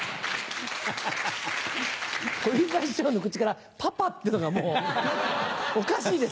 小遊三師匠の口から「パパ」っていうのがもうおかしいですよ。